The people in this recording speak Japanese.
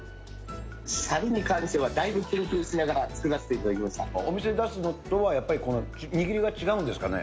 シャリに関してはだいぶ研究お店で出すのとはやっぱり、握りが違うんですかね？